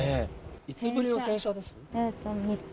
いつぶりの洗車ですか？